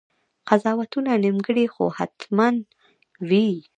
قضاوتونه نیمګړي خو حتماً وي.